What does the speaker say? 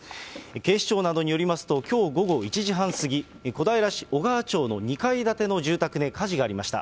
警視庁などによりますと、きょう午後１時半過ぎ、小平市おがわ町の２階建ての住宅で火事がありました。